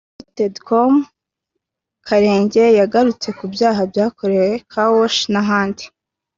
Rtd Col Karege yagarutse ku byaha byakorewe ‘Car Wash’ n’ahandi